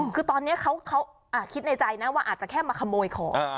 คือตอนนี้เขาคิดในใจนะว่าอาจจะแค่มาขโมยของ